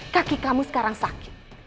kaki kamu sekarang sakit